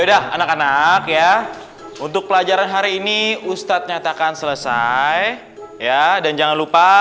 sudah anak anak ya untuk pelajaran hari ini ustadz nyatakan selesai ya dan jangan lupa